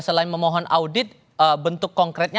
selain memohon audit bentuk konkretnya